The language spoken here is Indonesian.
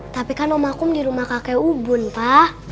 tapi kan om akum di rumah kakek ubun pa